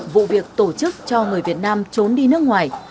vụ việc tổ chức cho người việt nam trốn đi nước ngoài